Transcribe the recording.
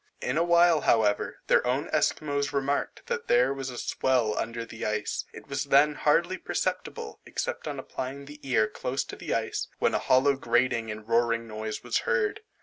In a while, however, their own Esquimaux remarked, that there was a swell under the ice. It was then hardly perceptible, except on applying the ear close to the ice, when a hollow grating and roaring noise was heard.